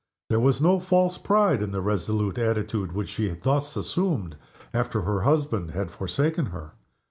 There was no false pride in the resolute attitude which she thus assumed after her husband had forsaken her.